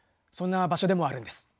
そんな場所でもあるんです。